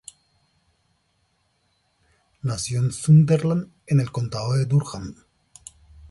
Nació en Sunderland, en el Condado de Durham.